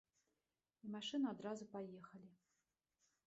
І машыны адразу паехалі.